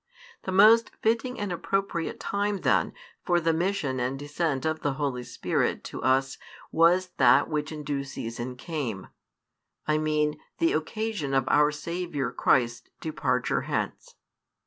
The most fitting and appropriate time, then, for the mission and descent of the Holy Spirit to us was that which in due season came I mean, the occasion of our Saviour Christ's departure hence.